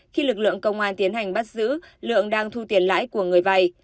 khi lực lượng công an tiến hành bắt giữ lượng đang thu tiền lãi của người vay